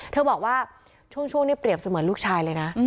บอกว่าช่วงนี้เปรียบเสมือนลูกชายเลยนะ